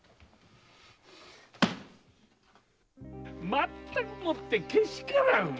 まったくもってけしからん！